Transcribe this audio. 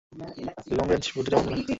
Long-range, বুদ্ধিটা মন্দ না!